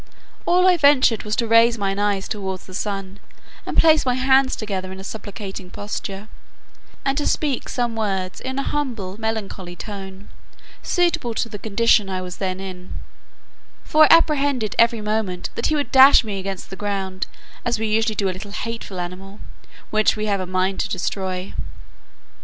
All I ventured was to raise my eyes towards the sun, and place my hands together in a supplicating posture, and to speak some words in a humble melancholy tone, suitable to the condition I then was in: for I apprehended every moment that he would dash me against the ground, as we usually do any little hateful animal, which we have a mind to destroy.